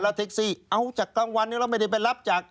แท็กซี่เอาจากกลางวันเราไม่ได้ไปรับจาก